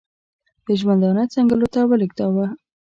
د ژوندانه څنګلو ته ولېږداوه.